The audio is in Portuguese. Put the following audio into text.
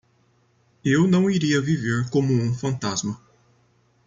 Eu não iria viver como um fantasma.